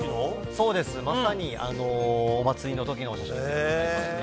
そうです、まさにお祭りのときの写真になりますね。